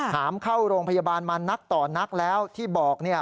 หามเข้าโรงพยาบาลมานักต่อนักแล้วที่บอกเนี่ย